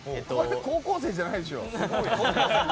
高校生じゃないでしょ。